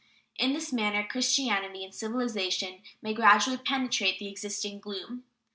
In this manner Christianity and civilization may gradually penetrate the existing gloom.